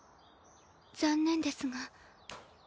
残念ですが。